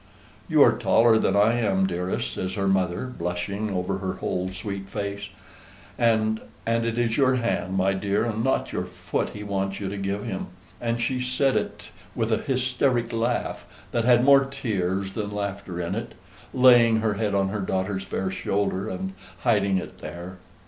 "You are taller than I am, dearest," says her mother, blushing over her whole sweet face "and and it is your hand, my dear, and not your foot he wants you to give him;" and she said it with a hysteric laugh, that had more of tears than laughter in it; laying her head on her daughter's fair shoulder, and hiding it there.